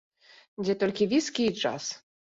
Дзе толькі віскі і джаз.